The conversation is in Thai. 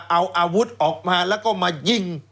เอาอาวุธออกมาแล้วก็มายิง